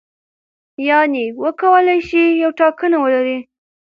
یعنې وکولای شي یوه ټاکنه ولري.